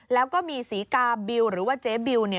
แล้วก็มีศรีกาบิวหรือว่าเจ๊บิว